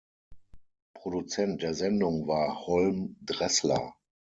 Produzent der Sendung war Holm Dressler.